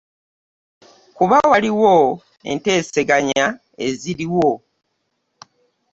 Kuba waliwo enteeseganya eziriwo